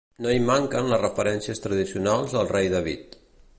No hi manquen les referències tradicionals al rei David.